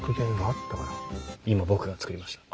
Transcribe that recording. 今僕が作りました。